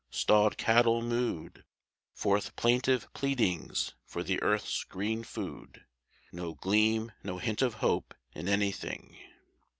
Stalled cattle mooed Forth plaintive pleadings for the earth's green food. No gleam, no hint of hope in anything.